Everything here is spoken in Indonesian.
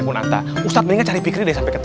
ya kan berubah pikiran kan